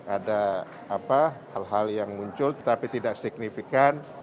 ada hal hal yang muncul tetapi tidak signifikan